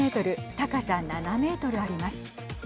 高さ７メートルあります。